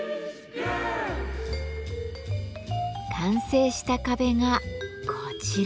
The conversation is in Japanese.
完成した壁がこちら。